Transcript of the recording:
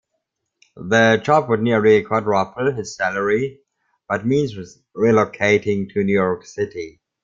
The job would nearly quadruple his salary, but means relocating to New York City.